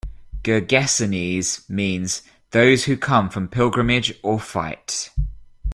"Gergesenes" means "those who come from pilgrimage or fight.